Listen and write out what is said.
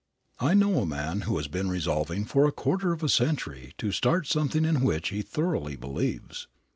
I know a man who has been resolving for a quarter of a century to start something in which he thoroughly believes.